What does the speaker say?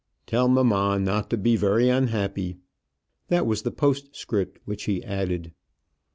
"Tell mamma not to be very unhappy." That was the postscript which he added.